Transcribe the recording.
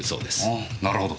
あぁなるほど。